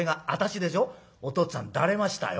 おとっつぁんだれましたよ。